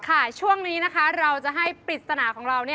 ช่วงนี้นะคะเราจะให้ปริศนาของเรา